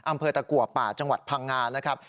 อำเภอตะกัวป่าจังหวัดพังงานะครับ